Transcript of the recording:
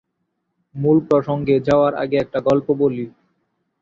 মূল প্রসঙ্গে যাওয়ার আগে একটা গল্প বলি।